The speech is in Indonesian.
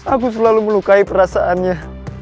aku selalu melukai perasaannya